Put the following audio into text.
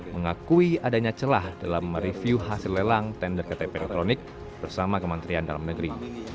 mengakui adanya celah dalam mereview hasil lelang tender ktp elektronik bersama kementerian dalam negeri